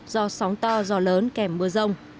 do sóng to giò lớn kèm mưa rông